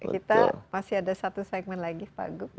kita masih ada satu segmen lagi pak gup